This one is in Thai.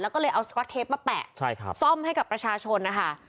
แล้วก็เลยเอาสก๊อตเทปมาแปะซ่อมให้กับประชาชนนะคะ